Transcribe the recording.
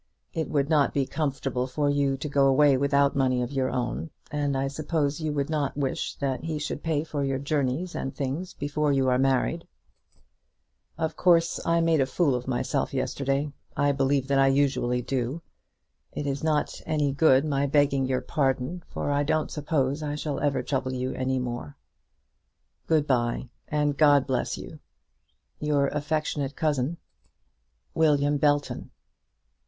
It would not be comfortable for you to go away without money of your own, and I suppose you would not wish that he should pay for your journeys and things before you are married. Of course I made a fool of myself yesterday. I believe that I usually do. It is not any good my begging your pardon, for I don't suppose I shall ever trouble you any more. Good bye, and God bless you. Your affectionate Cousin, WILLIAM BELTON.